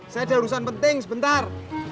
saya ada urusan penting sebentar